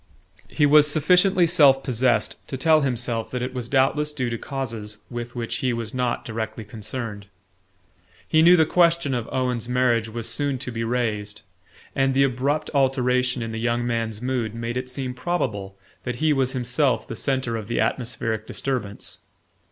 He was sufficiently self possessed to tell himself that it was doubtless due to causes with which he was not directly concerned. He knew the question of Owen's marriage was soon to be raised, and the abrupt alteration in the young man's mood made it seem probable that he was himself the centre of the atmospheric disturbance.